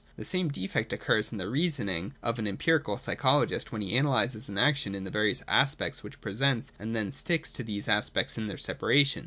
The same defect occurs in the reason ing of an empirical psychologist when he analyses an action into the various aspects which it presents, and then sticks to these aspects in their separation.